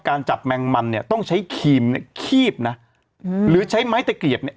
การจับแมงมันเนี้ยต้องใช้ขีมเนี้ยคีบนะหือใช้ไม้ตะเกียบเนี้ย